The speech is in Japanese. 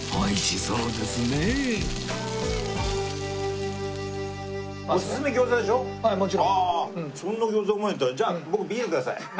そんなに餃子うまいんだったらじゃあ僕ビールください。